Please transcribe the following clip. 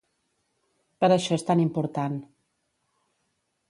Per això és tan important.